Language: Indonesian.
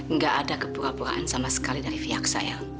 nggak ada kepura puraan sama sekali dari pihak saya